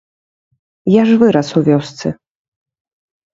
Я ж вырас у вёсцы.